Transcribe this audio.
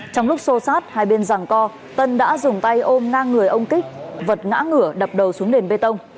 trong lúc xô sát hai bên rằng co tân đã dùng tay ôm na người ông kích vật ngã ngửa đập đầu xuống nền bê tông